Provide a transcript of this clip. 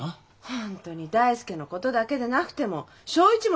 ほんとに大介のことだけでなくても省一も２３よ？